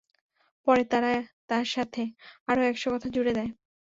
পরে তারা তার সাথে আরো একশ কথা জুড়ে দেয়।